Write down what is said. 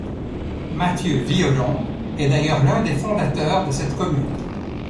Mathieu Violon est d'ailleurs l'un des fondateurs de cette commune.